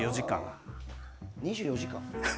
２４時間？